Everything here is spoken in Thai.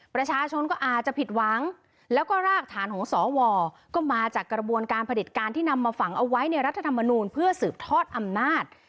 ประชาชนก็อาจจะผิดหวังแล้วก็รากฐานของสวก็มาจากกระบวนการผลิตการที่นำมาฝังเอาไว้ในรัฐธรรมนูลเพื่อสืบทอดอำนาจ